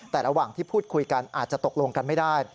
แต่ระหว่างที่พูดคุยกันอาจจะตกลงกันไม่ได้